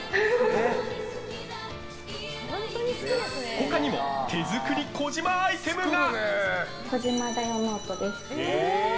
他にも手作り児嶋アイテムが。